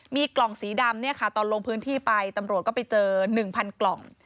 มีกล่องสีดำตอนลงพื้นที่ไปตำรวจก็ไปเจอ๑๐๐กล่อง